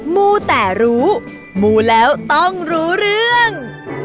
มูแต่รู้มูแล้วต้องรู้เรื่อง